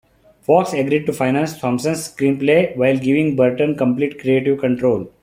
Fox agreed to finance Thompson's screenplay while giving Burton complete creative control.